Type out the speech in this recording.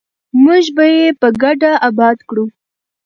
موږ به یې په ګډه اباد کړو.